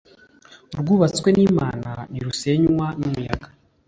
urwubatswe n'imana ntirusenywa n' umuyaga